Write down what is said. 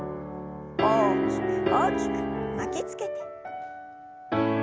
大きく大きく巻きつけて。